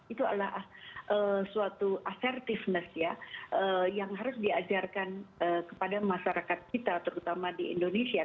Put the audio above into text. itu adalah suatu usertiveness ya yang harus diajarkan kepada masyarakat kita terutama di indonesia